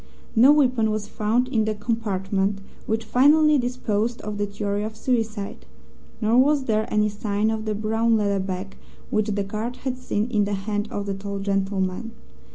No weapon was found in the compartment (which finally disposed of the theory of suicide), nor was there any sign of the brown leather bag which the guard had seen in the hand of the tall gentleman.